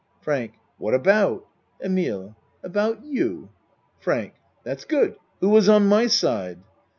FRANK What about? EMILE About you. FRANK That's good. Who was on my side?